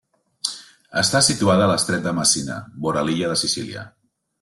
Està situada a l'estret de Messina, vora l'illa de Sicília.